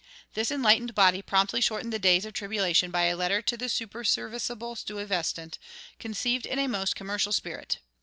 This enlightened body promptly shortened the days of tribulation by a letter to the superserviceable Stuyvesant, conceived in a most commercial spirit.